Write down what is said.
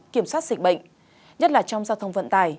kiểm soát dịch bệnh nhất là trong giao thông vận tải